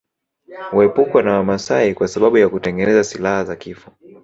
Huepukwa na Wamaasai kwa sababu ya kutengeneza silaha za kifo